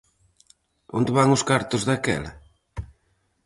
Onde van os cartos, daquela?